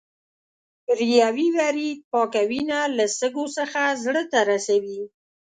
ریوي ورید پاکه وینه له سږو څخه زړه ته رسوي.